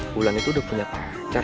bulan itu udah punya pacar